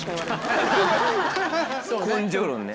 根性論ね。